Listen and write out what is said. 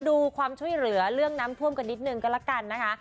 ดูความช่วยเหลือเรื่องน้ำท่วมกันนิดนึงก็ละกันนะคะ